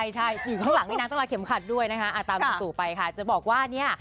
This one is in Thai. ใช่ใช่